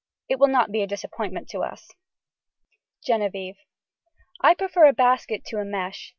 It will not be a disappointment to us. (Genevieve.) I prefer a basket to a mesh.